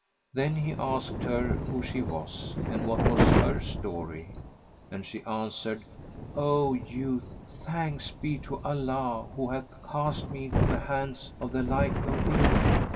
[FN#106] Then he asked her who she was and what was her story, and she answered, "O youth, thanks be to Allah who hath cast me into the hands of the like of thee!